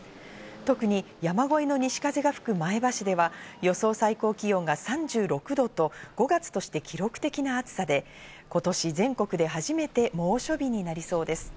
特に山越えの西風が吹く前橋では、予想最高気温が３６度と５月として記録的な暑さで今年、全国で初めて猛暑日になりそうです。